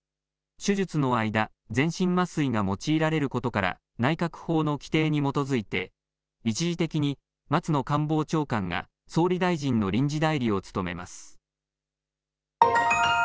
手術の間、全身麻酔が用いられることから、内閣法の規定に基づいて、一時的に松野官房長官が総理大臣の臨時代理を務めます。